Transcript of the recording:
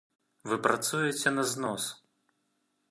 Вы працуеце на знос.